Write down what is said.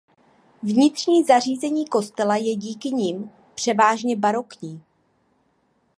Vnitřní zařízení kostela je díky nim převážně barokní.